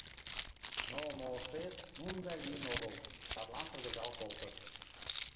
Но Моосес нунын гай лийын огыл, садлан шыргыжал колтыш.